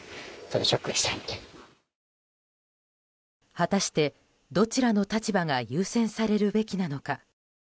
果たして、どちらの立場が優先されるべきなのか。